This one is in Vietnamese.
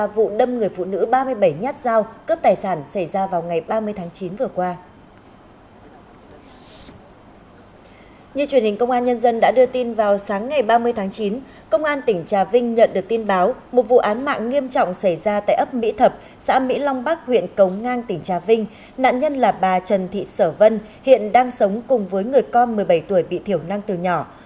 vụ tấn công hai phụ nữ tại một nhà ga ở thành phố marseille pháp không có liên hệ với khủng bố